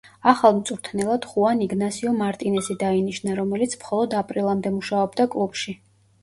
ახალ მწვრთნელად ხუან იგნასიო მარტინესი დაინიშნა, რომელიც მხოლოდ აპრილამდე მუშაობდა კლუბში.